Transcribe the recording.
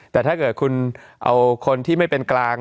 แต่ถ้าเกิดคุณเอาคนที่ไม่เป็นกลาง